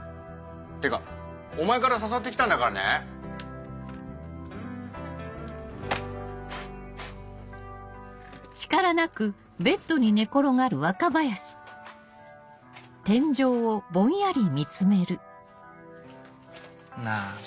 てかお前から誘ってきたんだからね。なぁ。